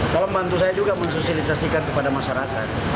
tolong bantu saya juga mensosialisasikan kepada masyarakat